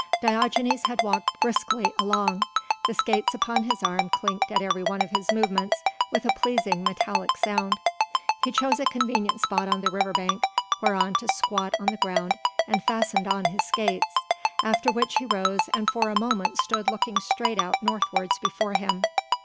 Diogenes had walked briskly along; the skates upon his arm clicked at every one of his movements with a pleasing metallic sound. He chose a convenient spot on the river bank whereon to squat on the ground, and fastened on his skates. After which he rose and for a moment stood looking straight out northwards before him.